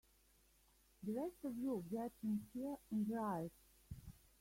The rest of you get in here and riot!